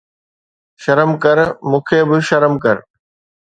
شرم ڪر، مون کي به شرم ڪر